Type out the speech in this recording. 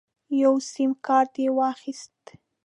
یو سیم کارت یې واخیست.